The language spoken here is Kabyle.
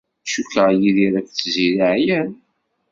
Cukkeɣ Yidir akked Tiziri εyan.